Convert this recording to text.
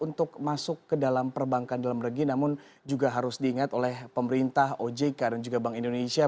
untuk masuk ke dalam perbankan dalam negeri namun juga harus diingat oleh pemerintah ojk dan juga bank indonesia